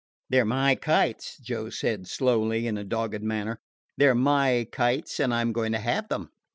"They 're my kites," Joe said slowly in a dogged manner. "They 're my kites, and I 'm going to have them."